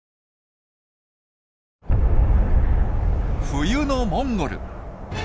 冬のモンゴル。